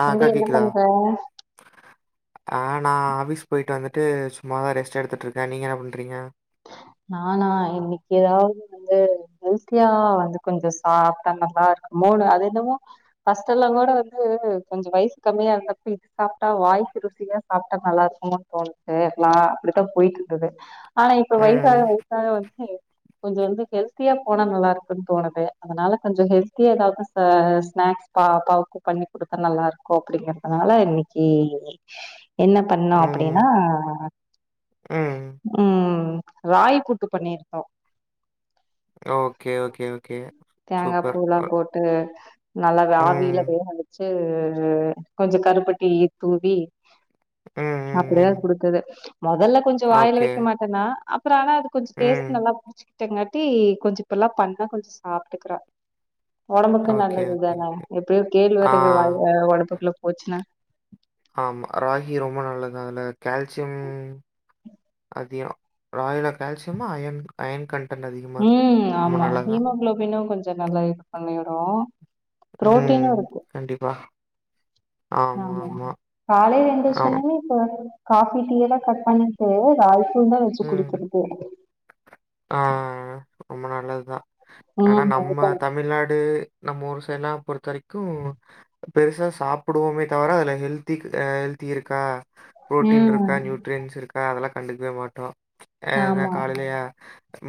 அ தம்பி அக்கா என்ன கேக்குதா பண்ற ஆ நா ஆஃபீஸ் போய்டு வந்துட்டு சும்மாதா ரெஸ்ட் எடுத்துட்ருக்க நீங்க என்ன பண்றீங்க நானா இன்னிக் ஏதாது வந்து ஹெல்த்யா வந்து கொஞ்ச சாப்டா நல்லா இருக்கு மோணு அது என்னமோ ஃபஸ்ட் எல்லா கூட வந்து கொஞ்சோ வயசு கம்மியா இருந்தப்ப சாப்டா வாய்க்கி ருசியா சாப்டா நல்லா இருக்குமோன் தோணுச்சி லா அப்டிதா போயிட் இருந்தது ஆனா இப்ப வயசாக ம். வயசாக வந்து கொஞ்சோ வந்து ஹெல்த்தியா போனா நல்லா இருக்குன் தோணுது அதனால கொஞ்ச ஹெல்த்தியா ஏதாவது ச ஸ்நாக்ஸ் பாப்பாவுக்கு பண்ணி குடுத்த நல்லா இருக்கு அப்டிங்றதுனால இன்னக்கி என்ன பண்ணோ அப்டினா ம். ம். ம் ராய் கூட்டு பண்ணிருந்தோ ஓகே ஓகே ஓகே தேங்கா சூப்பர். பூலா அ போட்டு நல்லா அத ஆவில ம். வேக வச்சி கொஞ்சோ கருப்பட்டி தூவி ம், ம், அப்டிதா ம். குடுக்குது மெரதல்ல கொஞ்சோ வாயில ஓகே. வக்க மாட்டேன்னா அப்ரோ ஆனா அது கொஞ்சோ ம். டேஸ்ட் நல்லா புடிச்சிக்கிட்டங்காட்டி கொஞ்சோ இப்பெல்லா பண்ணா கொஞ் சாப்ட்டுக்றா உடம்புக்கு ஓகே, நல்லது ஓகே. தான எப்டியோ ஆ கேள்வரகு வாய் உடம்புக்குல் போச்சினா ஆமா ராகி ரொம்ப நல்லதா அதுல கால்சியம் அதியோ ராகில கால்சியமா அயன் அயன் கண்ட் ம் ஆமா ஹீமோகுளோபினு கொஞ்ச நல்லா இது பண்ணிடு பு்ரோட்டினு இருக்கு கண்டிபா ஆமா காலைல ஆமா. எந்ச்சொனேவே காபி டீயல்லா கட் பண்ணிட்டு ராகியு தா வச்சி குடிக்கற்து அ அ அ ரொம்ப நல்லதுதா ஆனா ம். நம்ம இப்ப- தமிழ்நாடு நம்ம ஊர் சைட்ல்லா பொறுத்த வரிக்கு பெருசா சாப்டுவோமே தவர அதுல ஹெல்தி் அ ஹெல்தி இருக்கா புரோட்டீன்ருக்கா ம். நியூட்ரியன்ஸ் இருக்கா அதெல்லா கண்டுக்கவே மாட்டோ அ எத ஆமா. காலைலயா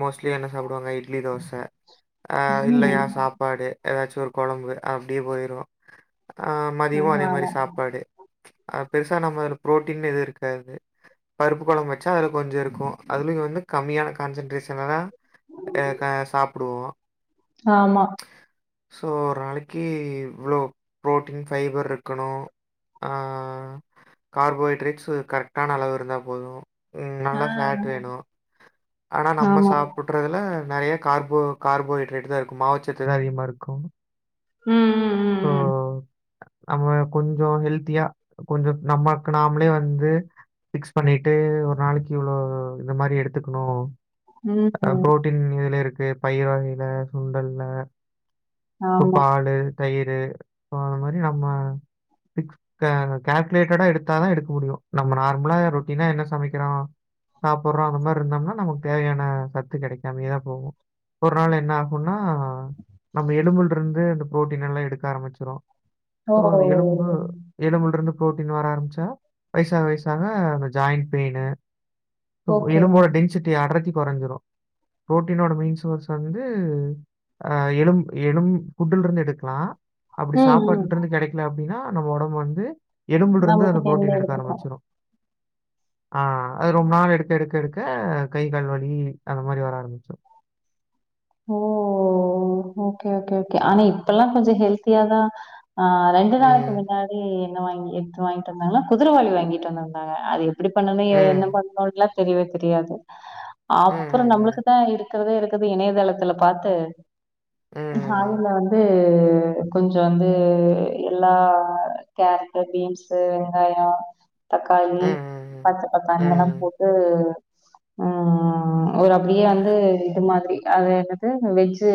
மோஸ்ட்லி என்ன சாப்டுவாங்க இட்லி தோச ஆ ம். இல்லயா சாப் பாடு ஏதாச்சும் ஒரு கொழம்பு அப்டியே போயிரு ஆ மதியமு அதே மரி ஆமாமா. சாப்பாடு பெருசா நம்ம புரோட்டீன் எது இருக்காது பருப்பு கொழம்பு வச்சா அதுல கொஞ்ச இருக்கு அதுலயு வந்து கம்மியா கான்சென்ட்ரேஷனனா ஏ க சாப்டுவோ ஆமா சோ ஒரு நாளைக்கி இவ்ளோ புரோட்டீன் ஃபைபர் இருக்கணு ஆ கார்போஹைட்ரேட்ஸ் கரெக்டான அளவு இருந்தா போது ம் ஆ. நல்லா ஃபேட் வேணு ஆனா நம்ம ஆமா. சாப்புட் ண்றதுல நறைய கார்போ கார்போஹைட்ரேட் தா இருக்கு மாவுசத்து தா அதிகமா இருக்கும் ம் ம் ஸோ, நம்ம கொஞ்சொ ஹெல்த்தியா கொஞ்சோ நமக் நாம்ளே வந்து ஃபிக்ஸ் பண்ணீட்டு ஒரு நாளைக் இவ்ளோ இந்த மாரி எடுத்துக்கணு ம், ம். அ ம். ப்ரோட்டீன் எதுல இருக்கு பயிர் வகைல, சுண்டல்ல இப்ப ஆமா. பாலு, தயிரு இப்போ அந்த மாரி நம்ம ஃபிக்ஸ் க கால்க்லேட்டடா எடுத்தாதா எடுக் முடியு நம்ம நார்மலா ரொட்டீனா என்ன சமைக்கிறோ சாப்பட்றோ அந்த மார் இருந்தம்னா நமக் தேவையான சத்து கெடைக்காமயே தா போவு ஒரு நாள் என்னாகுன்னா நம்ம எலும்புல்ருந்து இந்த ப்ரோட்டீனெல்லா எடுக்க ஆரமிச்சிரு ஓ! போ அந்த எலும்பு எலுபுல்ருந்து ப்ரோட்டீன் வர ஆரமிச்சா வயசாக வயசாக அந்த ஜாய்ன் பெய்னு போ ஓகே. எலும்போட டென்சிட்டி அடர்த்தி கொறஞ்சிரு ப்ரோட்டீனோட மெய்ன் சோர்ஸ் வந்து ஆ எலும் எலும் ஃபுட்டுல்ருந்து எடுக்க ற்தா அப்டி ம், ம். சாப்பாட்டுட்ருந்து கெடைக்கல அப்டின்னா நம்ம ஒடம்பு வந்து எலும்புல்ருந்து நமக்கு அந்த தெரிஞ்ச ப்ரோட்டீன் எடுக்க எடுத்துக்கும். ஆரமிச்சிரு ஆ அது ரொம்ப நாள் எடுக்க எடுக்க எடுக்க கை கால்வலி அந்த மாரி வர ஆரமிச்சிரு ஓ ஓகே ஓகே ஓகே ஆனா இப்பெல்லா கொஞ்ச ஹெல்த்தியாதா ஆ ரெண்டு நாளைக் ம். முன்னாடி என்ன வாங்கி எட்த்து வாங்கிட்டு வந்தாங்கனா குதிரவாலி வாங்கிட்டு வந்திருந்தாங்க அது எப் பிடி பண்ணனு எ என்ன ம். பண்ணனுல்லா தெரியவே தெரியாது அப்பறோ நம்ளுக்கு ம். தா இருக் கற்தே இருக்குது இணையதளத்துல பாத்து ம். ம். அதுல வந்து கொஞ்ச வந்து எல்லா கேரட்டு, பீம்ஸு, வெங்காயோ, தக்காளி, ம். பச்ச பட்டாணி எல்லா ம். போட்டு அ ஒரு அப்டியே வந்து இது மாதிரி அது என்னது வெஜ்ஜு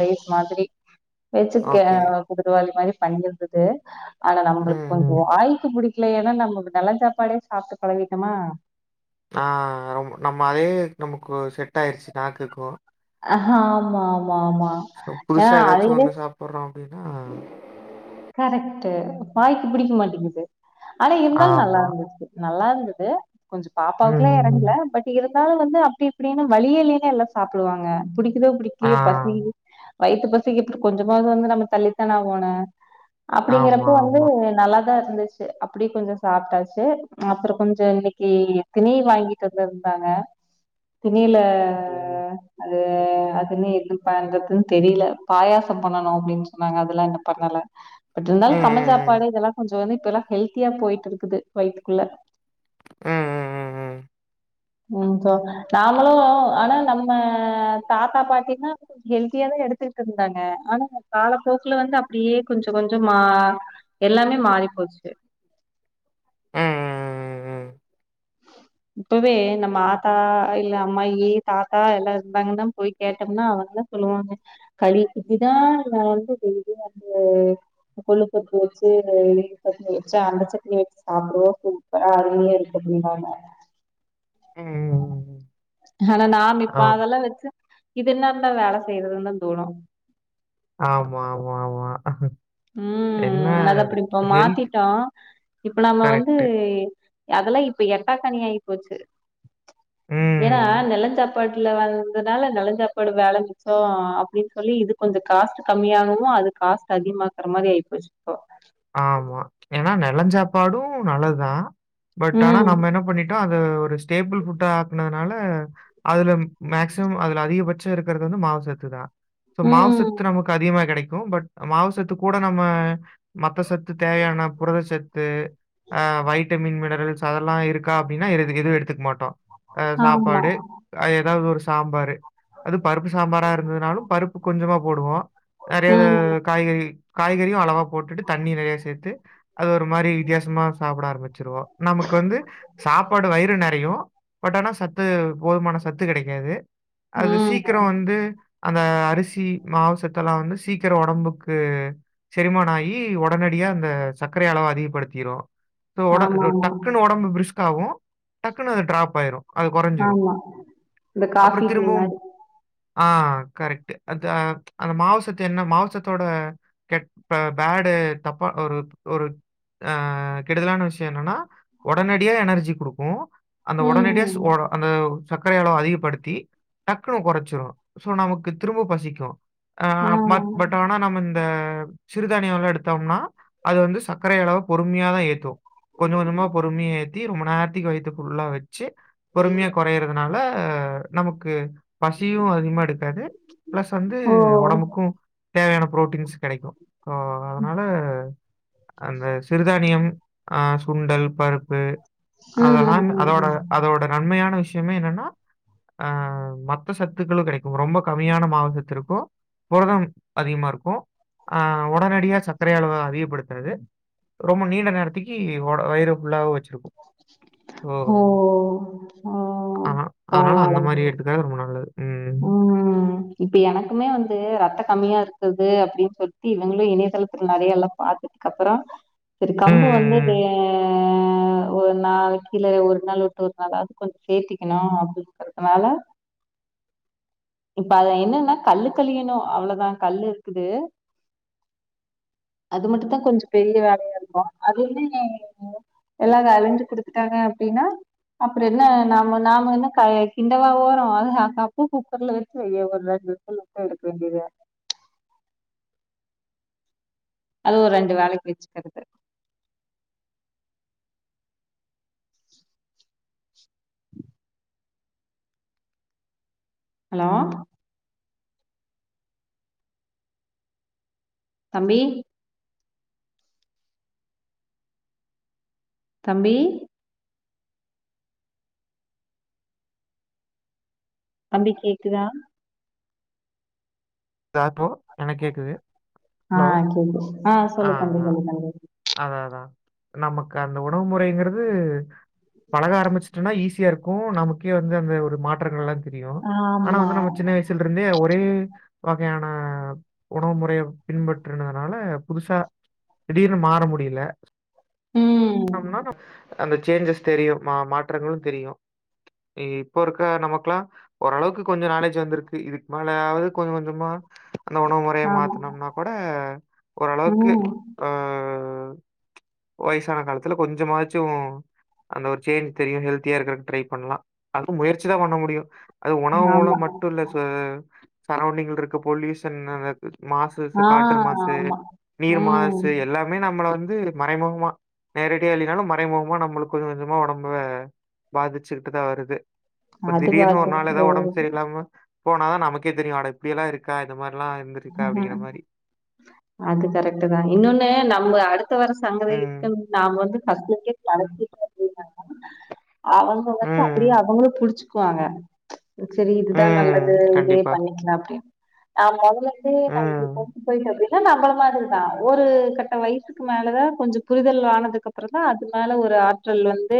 ரைஸ் மாதிரி வெச்சிர்க்கே ஓகே. குதிரவாலி மாரி பண்ணீர்ந்தது ஆனா ம். நம்ளுக் வந்து ம். வாய்க்கு புடிக்கல ஏனா நம்ம நெலஞ்சாப்பாடே சாப்ட்டு பழகிட்டோமா ஆ ரொம் நம்ம அதே நமக்கு செட்டாய்ருச்சு நாக்குக்கு ஆமா ஆமா ஆமா சோ ஏன்னா புதுசா எதாச்சு அதுவே ஒன்னு சாப்பட்றோ அப்டின்னா கரெக்ட்டு வாய்க்கு பிடிக் மாட்டிங்கிது ஆனா இருந்தாலு ஆமா. நல்லார்ந்துச்சி நல்லார்ந்துது கொஞ்ச ம். பாப்பாவுக்லா ம். எறங்கல ம். பட் இருந்தாலு வந்து அப்டி இப்டினு வழியே இல்லீன்னா எல்லா சாப்ட்ருவாங்க புடிக்குதோ ஆ. புடிக்கலயோ பசி வயித்து பசிக்கு எப்டியு கொஞ்சமாவ்து வந்து நம்ம தள்ளித்தான ஆகோணு ஆமா, அப்பிடிங்கிறப்போ வந்து ஆமா. நல்லாதா இருந்துச் சு அப்டியே கொஞ்ச சாப்ட்டாச்சு அ அப்பறோ கொஞ்ச இன்னைக்கி திணை வாங்கிட்டு வந்திர்ந்தாங்க திணைல ம். அது அதுன்னா என்ன பண்றதுன் தெரில பாயாசம் பண்ணனு அப்டின் சொன்னாங்க அதுலா இன்னு பண்ணல பட் ருந்தாலு கம்மஞ் ம். சாப்பாடு இதெல்லா கொஞ்சோ வந்து இப்பெல்லா ஹெல்த்தியா போய்ட்டுருக்குது வயித்துக்குள்ள ம். ம். ம். ம் சோ நாமளு ஆனா நம்ம தாத்தா, பாட்டினா ஹெல்த்தியா தா எடுத்துக்ட்ருந்தாங்க ஆனா காலப்போக்குல வந்து அப்டியே கொஞ்ச கொஞ்சமா எல்லாமே மாறி போச்சு ம் ம் ம் ம் இப்பவே நம்ம ஆத்தா அ இல்ல அம்மாயி, தாத்தா எல்லா இர்ந்தாங்கன்னா போய் கேட்டம்னா அவங்கள சொல்லுவாங்க களி இதுதா நாங் வந்து டெய்லி வந்து கொள்ளுப்பருப்பு வச்சு இந்த [unintelligible] சட்னி வெச்சு அந்த சட்னி வெச்சு சாப்புடுவோ சூப்பரா அருமையா இருக்கு அப்டிம்பாங்க ம். ம். ம். ஆனா நாம இப்ப ஓ. அதெல்லா வெச்சு இது என்னத்தா வேல செய்யறதுன்தா தோணு ஆமா ஆமா ஆமா என்ன ம் அது அப்டியிப்போ ஹெல்த் மாத்திட்டோ இப்ப நம்ம வந்து கரெக்ட் அதெல்லா இப்ப எட்டா கனி ஆகி போச்சு ம் ஏன்னா நிலஞ்சாத் பாட்டுல வந்ததால நளைஞ்சாப்படு வேலம்பிச்சோ அப்டின்னு சொல்லி இது கொஞ்சோ காஸ்ட் கம்மியாகவு அது காஸ்ட் அதிகமாக்குற மாரி ஆயிப்போச்சு இப்போ ஆமா ஏன்னா நெலன் சாப்பாடு நல்லதுதா பட் ஆனா ம் நம்ம என்ன பண்ணிட்டோ இத ஒரு ஸ்டேபிள் ஃபுட்டா ஆக்குனதுனால அதுல மேக்சிமம் அதுல அதிகபட்ச இருக்கிறது வந்து மாவுசத்து தா சோ மாவுசத்து ம் நமக்கு அதிகமா கெடைக்கு பட் மாவுசத்து கூட நம்ம மத்த சத்து தேவயான புரத சத்து அ வைட்டமின் மினரல்ஸ் அதெல்லா இருக்கா அப்டின்னா எது எதுவு எடுத்துக்க மாட்டோ அ ஆமா சாப்பாடு ஏதாவது ஒரு சாம்பாரு அது பருப்பு சாம்பாரா இருந்ததுனாலு பருப்பு கொஞ்சமா போடுவோ நெறையா ம் காய்கறி காய்கறியு அளவா போட்டுட்டு தண்ணி நெறையா சேத்து அது ஒரு மாரி வித்தியாசமா சாப்பட ஆரம்பிச்சிருவோ நமக்கு வந்து சாப்பாடு வயிறு நெறையு பட் ஆனா சத்து போதுமான சத்து கெடைக்காது அது சீக்கரோ ம் வந்து அந்த அரிசி மாவுசத்தல்லா வந்து சீக்கரோ உடம்புக்கு செரிமான ஆயி கி உடனடியா அந்த சர்க்கர அளவ அதிகப்படுத்திரு சோ உட ஆமாமா ஆமா டக்குன்னு உடம்பு பிரிஸ்க் காவு டக்குன்னு அது டிராப் ஆயிரு அது குறஞ்சிரு ஆமா இந்த அப்புறோ காஃபி டீ திரும்பவு மாரி ஆ கரெக்ட் அந்த அந்த மாவுசத்து என்ன மாவுசத்தோட கெட்ட பேடு தப்பா ஒரு ஒரு கெடுதலான விஷயோ என்னன்னா உடனடியா எனர்ஜி குடுக்கு அந்த ம் உடனடியா ம் இஷ்வா அந்த சர்க்கர அளவ அதிகப்படுத்தி டக்குனு குறச்சிடு சோ நமக்கு திரும்ப பசிக்கு ஆ மத் பட் ஆனா நம்ம இந்த சிறுதானியோ எல்லா எடுத்தோம்னா அது வந்து சர்க்கர அளவ பொறுமையாதா ஏத்து கொஞ்ச கொஞ்சமா பொறுமய ஏத்தி ரொம்ப நேரத்துக்கு வெய்த்த ஃபுல்லா வைக் ச்சு பொறுமையா குறயறதுனால நமக்கு பசியு அதிகமா எடுக்காது பிளஸ் வந்து ஓ உடம்புக்கு தேவயான ப்ரோட்டீன்ஸ் கெடைக்கு ம் அந்த சிறுதானியம் ஆ சுண்டல் பருப்பு அத ம் ம் வாங்க அதோட ம் ம் அதோட நன்மயான விஷயமே என்னன்னா அ மத்த சத்துக்களு கெடைக்கு ரொம்ப கம்மியான மாவுசத்து இருக்கு புரதோம் அதிகமா இருக்கும் ஆ உடனடியா சர்க்கரை அளவ அதிகப்படுத்தாது ரொம்ப நீண்ட நேரத்துக்கி ஓட வயிற ஃபுல்லா வச் சுக்கு ஓ ஓ ஆன அனால அந்த பரவால்ல மாரி எடுத்துக்க ரொம்ப நல்லது ம் ம் இப்ப எனக்குமே வந்து ரத்த கம்மியா இருக்குது அப்டின்னு சொல்லிட்டு இவங்களும் இணையதளத்து நிறய எல்லா பாத்துட்டு அப்புறோ சரி ம், கம்பு ம், வந்து வே ம். ஆ ஆ ஒரு நாளிக்கி கில்ல ஒரு நாள் விட்டு ஒரு நாள் அது கொஞ்சோ சேர்த்திக்கணும் அப்டிங்கிறதுனால இப்ப அது என்னன்னா கல்லு களியணும் அவ்வளோதா கல்லு இருக்குது அது மட்டு தா கொஞ்சம் பெரிய வேலையாயிருக்கும் அதுமே எல்லா அருஞ்சு குடுத்துட்டாங்க அப்டின்னா அப்ற எல்லா நாம நாம என்ன காய கிண்டவா போறோம் அது கப் பு செல்லுல வச்சு வையி ஒரு ரெண் நாள் [unintelligible] எடுக்க வேண்டியது அதுவு ஒரு ரெண்டு வேலக் வெச்சுக்கறது ஹலோ தம்பி தம்பி தம்பி கேக்குதா தா போ என்னக் கேக்குது ஹலோ ஆ சொல்லு தம்பி சொல்லு தம்பி அதாதா நமக்கு அந்த உணவு முறைங்கிறது பழக ஆரம்பிச்ஷ்ட்டனா ஈஸியா இருக்கும் நமக்கே வந்து அந்த ஒரு மாற்றங்கள் லா தெரியும் ஆனா வந்து நம்ம ஆமா சின்ன வயிசுல்ருந்தே ஒரே வகையான உணவு முறைய பின்பற்றுனதுனால புதுசா திடீர்னு மாற முடியில ம். அந்த சேஞ்சஸ் தெரியு மா மாற்றங்கள் தெரியு இப்போருக்க நமக்லா ஓரளவுக்கு கொஞ்சோ நாலேஜ் வந்திருக்கு இதுக்கு மேலாயாது கொஞ்ச கொஞ்சமா அந்த உணவு முறைய ஆமா. மாத்தனும்னா கூட ஓரளவுக்கு ம். ஆ வயிசான காலத்துல கொஞ்ச மாச்சும் அந்த ஒரு சேஞ்ச் தெரியும் ஹெல்தியா இருக்கறக்கு ட்ரை பண்லா அதுவும் முயற்சி தா பண்ண முடியும் அது உணவு ஆமா. மூலம் மட்டு இல்ல ச சரவ்ண்டிங்ல இருக்க பொல்யூஷன்னால மாசு சு ஆ காற்று மாசு ஆமா. நீர் ம். மாசு எல்லா நம்மள வந்து மறைமுகமா நேரடியா இல்லினாலும் மறைமுகமா நம்முளுக்கு கொஞ்ச கொஞ்சமா ஒடம்ப பாதிச்சுக்கிட்டுதா வருது இப்ப அது திடீர்னு ஒரு நாள் எதாவ் ஒடம்பு சரியில்லாம போனாதா நமக்கே தெரியும் அட இப்டியல்லா இருக்கா இந்த மாரிலா இருந்துருக்கா அஹ. அப்டிங்கிற மாரி அது கரெக்ட்டு தா இன்னொன்னு நம்ப அடுத்த வர சந்ததிக்கு ம் நாம வந்து பஸ்ட் [unintelligible] நா என்ன பண்ண அவங்க வந்து அப்பிடியே ம் அவங்களும் புடிச்சுக் வாங்க சரி இதுதா ம் நல்லது இதே கண்டிப்பா பண்ணிக்லா அப்டின் நா மொதல [unintelligible] இருந்து ம் இருக்கும் போய்ன்னு வந்து இவ நம்பள மாதிரி தா ஒரு கட்ட வயசுக்கு மேலதா கொஞ்ச புரிதல் ஆனதுக்கு அப் அப்ற தா அது மேல ஒரு ஆற்றல் வந்து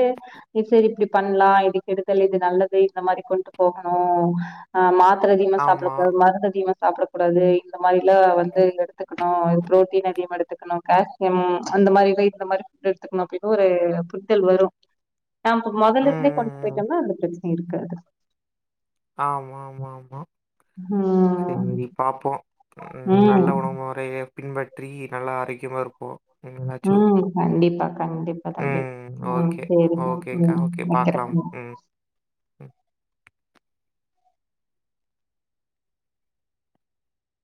இத் சரி இப்டி பண்லா இது கெடுதல் இது நல்லது இந்த மாரி கொண்டு போகணு ஆ மாத்திர அதிகமா சாப்ட ஆமா கூடாது மருந்து அதிகமா சாப்ட கூடாது இந்த மாரிலா வந்து எடுத்துக்குணு புரோட்டீன் அதிகமா எடுத்துக்குணு கேஸ் ம் அந்த மாரி இல்ல இந்த மாரி எடுத்துக்குணு அப்டின்னு ஒரு புரிதல் வரும் நாம்போ மொதல்ல ம் இருந்தே படிச்சு ம் ம் போயிட்டன்னா அந்த பிரச்சன இருக்காது ஆமாமாமா ம் சேரி பாப்போ ம் நல்ல உணவு முறைய பின்பற்றி நல்ல ஆரோக்கியமா இருப்போ இன்னாச்சு ம். கண்டிப்பா, கண்டிப்பா தம்பி. ம் ம். ஓகே சரிங்க. ஓகேங்கா ம். ஓகே பாக்லா வைக்கிறேன். ம் ம்